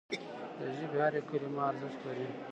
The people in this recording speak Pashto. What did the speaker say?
د ژبي هره کلمه ارزښت لري.